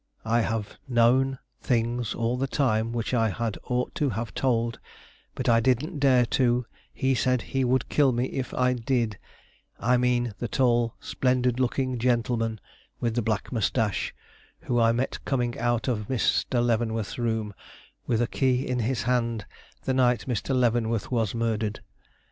I have knone things all the time which I had ought to have told but I didn't dare to he said he would kill me if I did I mene the tall splendud looking gentulman with the black mustash who I met coming out of Mister Levenworth's room with a key in his hand the night Mr. Levenworth was murdered.